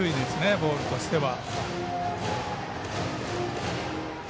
ボールとしては。